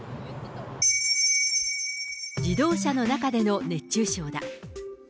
自動車の中での熱中症だ。